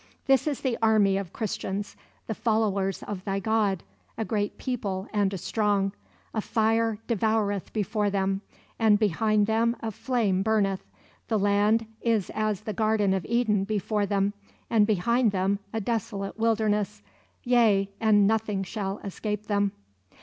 "This is the army of Christians, the followers of thy God; a great people and a strong. A fire devoureth before them, and behind them a flame burneth; the land is as the garden of Eden before them, and behind them a desolate wilderness; yea, and nothing shall escape them."